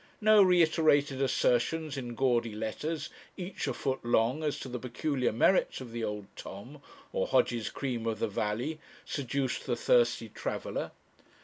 No reiterated assertions in gaudy letters, each a foot long, as to the peculiar merits of the old tom or Hodge's cream of the valley, seduced the thirsty traveller.